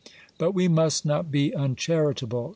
. But we must not be uncharitable.